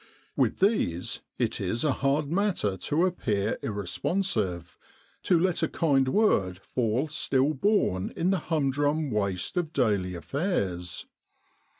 With these it is a hard matter to appear irresponsive, to let a kind word fall still born in the humdrum waste of daily affairs.